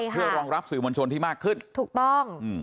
เพื่อรองรับสื่อมนชนที่มากขึ้น